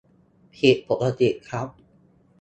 ผิดปกติครับ !